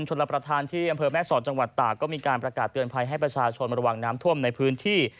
รับประทานที่อำเภอแม่สอดจังหวัดตากก็มีการประกาศเตือนภัยให้ประชาชนระวังน้ำท่วมในพื้นที่